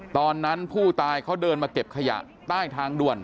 ตอนนั้นผู้ตายเขาเดินมาเก็บขยะใต้ทางด่วน